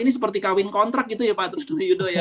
ini seperti kawin kontrak gitu ya pak trusyudo ya